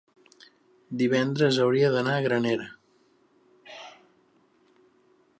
divendres hauria d'anar a Granera.